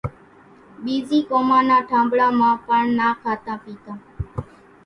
ٻيزِي قومان نان ٺانٻڙان مان پڻ نا کاتان پيتان۔